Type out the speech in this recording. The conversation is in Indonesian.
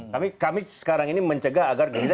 kami sekarang ini mencegah agar gerindra